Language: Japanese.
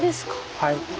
はい。